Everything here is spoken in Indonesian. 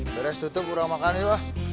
beres tutup kurang makan coba